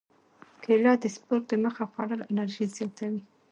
کېله د سپورت دمخه خوړل انرژي زیاتوي.